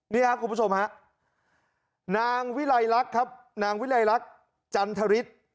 นี่ครับคุณผู้ชมฮะนางวิลัยลักษณ์ครับนางวิลัยลักษณ์จันทฤษ